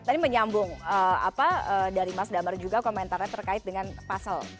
tadi menyambung dari mas damar juga komentarnya terkait dengan pasal